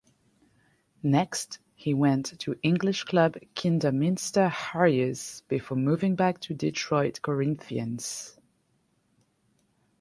Next he went to English club Kidderminster Harriers before moving back to Detroit Corinthians.